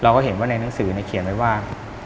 เห็นว่าในหนังสือเขียนไว้ว่า